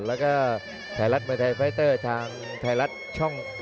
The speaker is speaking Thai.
แล้วก็ไทยรัฐมวยไทยไฟเตอร์ทางไทยรัฐช่อง๓